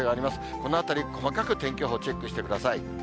このあたり細かく天気予報チェックしてください。